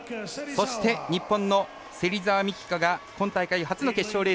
そして、日本の芹澤美希香が今大会初の決勝レースです。